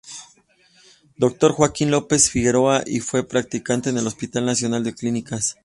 Dr. Joaquín López Figueroa y fue practicante en el Hospital Nacional de Clínicas.